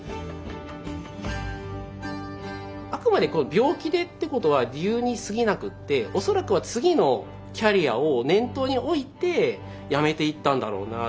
あくまでこの病気でってことは理由にすぎなくって恐らくは次のキャリアを念頭に置いて辞めていったんだろうな。